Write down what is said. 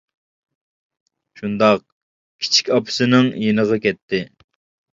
— شۇنداق، كىچىك ئاپىسىنىڭ يېنىغا كەتتى.